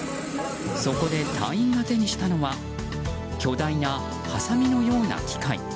そこで隊員が手にしたのは巨大な、はさみのような機械。